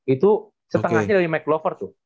itu setengahnya dari mclover tuh